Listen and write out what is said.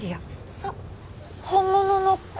そっ本物の恋？